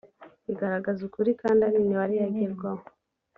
igaragaza ukuri kandi ari imibare yagerwaho